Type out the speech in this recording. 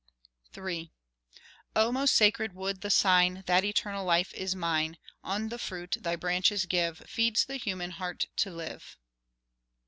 III O! most sacred wood, the sign That eternal life is mine; On the fruit thy branches give, Feeds the human heart to live.